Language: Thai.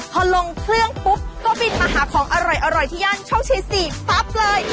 พอลงเครื่องปุ๊บก็บินมาหาของอร่อยที่ย่านโชคชัย๔ปั๊บเลย